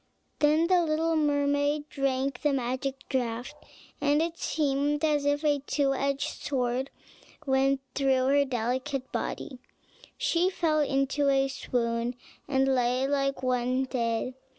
Then the little mermaid drank the magic draught, and it seemed as if a two edged sword went through her delicate body: she fell into a swoon, and lay like one dead.